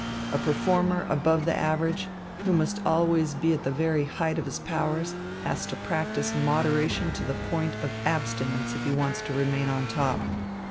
A performer above the average, who must always be at the very height of his powers, has to practise moderation to the point of abstinence if he wants to remain on top.